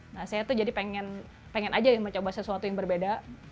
nah saya tuh jadi pengen aja mencoba sesuatu yang berbeda